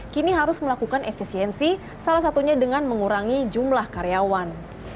kini harus melakukan efisiensi salah satunya dengan mengurangi jumlah karyawan